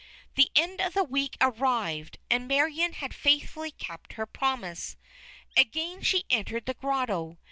The end of the week arrived, and Marion had faithfully kept her promise. Again she entered the grotto.